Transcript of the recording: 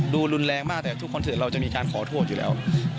รุนแรงมากแต่ทุกคอนเทศเราจะมีการขอโทษอยู่แล้ว